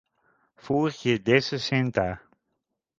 Foegje dizze side ta.